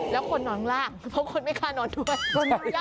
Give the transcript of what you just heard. แล้วคนนอนข้างล่างเพราะคนไม่กล้านอนด้วย